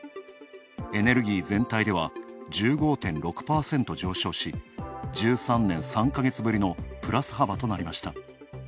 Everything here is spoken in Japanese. エネルギー全体では１５．６％上昇し１３年３か月ぶりのプラス幅となりました。